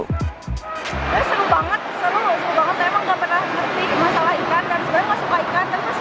kalau mau ikan lihat di sini